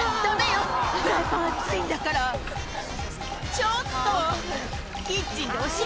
ちょっと！